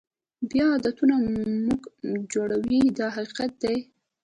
بیا عادتونه موږ جوړوي دا حقیقت دی.